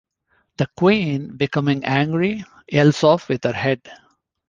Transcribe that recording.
The Queen becoming angry, yells Off with her Head!